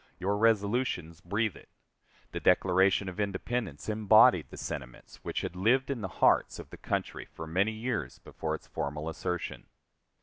Your resolutions breathe it. The Declaration of Independence embodied the sentiments which had lived in the hearts of the country for many years before its formal assertion.